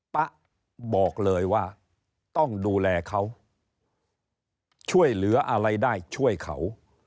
ป๊ะบอกเลยว่าต้องดูแลเขาช่วยเหลืออะไรได้ช่วยเขา